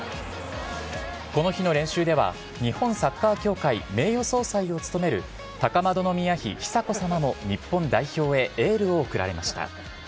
この日の練習では、日本サッカー協会名誉総裁を務める、高円宮妃久子さまも日本代表へエールを送られました。